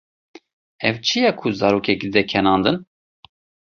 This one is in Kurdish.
Ew çi ye ku zarokekî dide kenandin?